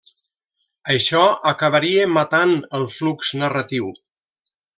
Això acabaria matant el flux narratiu.